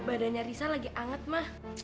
badannya risa lagi hangat ma